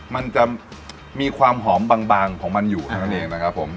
มันจะมีความหอมบางของมันอยู่เท่านั้นเองนะครับผม